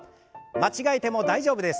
間違えても大丈夫です。